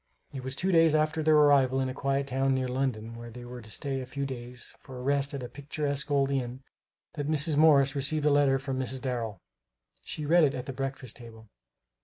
It was two days after their arrival in a quiet town near London where they were to stay a few days for rest at a picturesque old inn, that Mrs. Morris received a letter from Mrs. Darrel. She read it at the breakfast table.